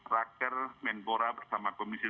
raker menpora bersama komisi